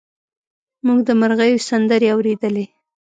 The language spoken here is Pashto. موږ د مرغیو سندرې اورېدلې.